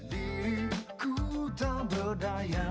diri ku tak berdaya